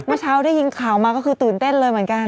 เมื่อเช้าได้ยินข่าวมาก็คือตื่นเต้นเลยเหมือนกัน